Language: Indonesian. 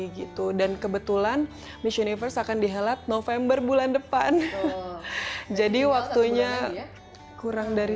gitu dan kebetulan miss universe akan dihelat november bulan depan jadi waktunya kurang dari